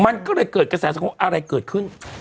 มันก็เลยเกิดกระแสสังคมอะไรเกิดขึ้น